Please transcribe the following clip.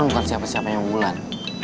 gue kan bukan siape siapanya ulan